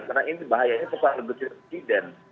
karena ini bahayanya kepada presiden